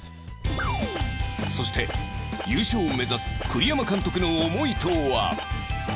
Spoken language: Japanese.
そして優勝を目指す栗山監督の思いとは？